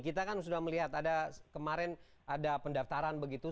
kita kan sudah melihat ada kemarin ada pendaftaran begitu